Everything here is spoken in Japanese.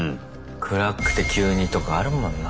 暗くて急にとかあるもんな。